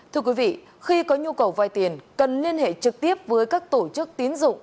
thưa quý vị khi có nhu cầu vay tiền cần liên hệ trực tiếp với các tổ chức tín dụng